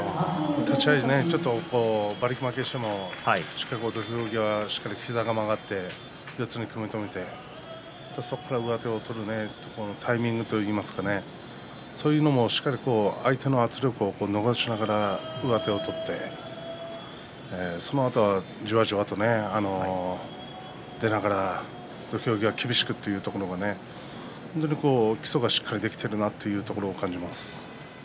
立ち合いで少し馬力負けしてもしっかり土俵際、膝が曲がって四つに組み止めてそこから上手を取るところタイミングといいますかそういうのもしっかり相手の圧力を逃しながら上手を取って、そのあとはじわじわと出ながら土俵際、厳しくというところが本当に基礎がしっかりできているなというところを感じます。